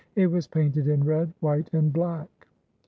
It was painted in red, white, and black.